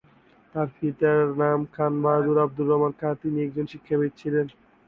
তার পিতার নাম খান বাহাদুর আবদুর রহমান খাঁ, যিনি একজন শিক্ষাবিদ ছিলেন।